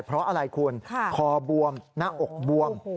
เพราะอะไรคุณคอบวมหน้าอกบวม